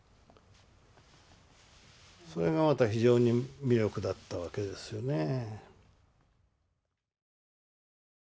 それがまた非常に魅力だったわけですよね。